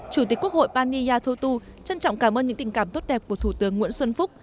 chủ tịch quốc hội pani yathutu trân trọng cảm ơn những tình cảm tốt đẹp của thủ tướng nguyễn xuân phúc